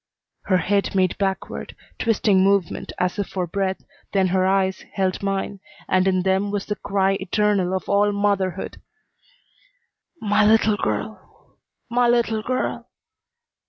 Her head made backward, twisting movement as if for breath, then her eyes held mine, and in them was the cry eternal of all motherhood. "My little girl! My little girl!